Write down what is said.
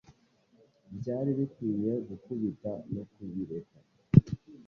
Byari bikwiye gukubita no kubireka